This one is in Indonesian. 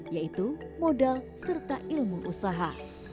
yaitu modal serta ilmu usaha